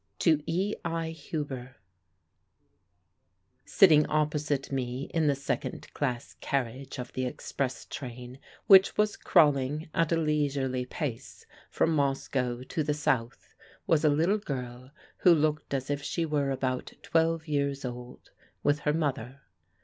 To E. I. Huber Sitting opposite me in the second class carriage of the express train which was crawling at a leisurely pace from Moscow to the south was a little girl who looked as if she were about twelve years old, with her mother.